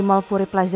amir kasihan parkurnya